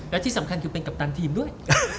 และที่สำคัญคือเป็นกัปตันทีมด้วย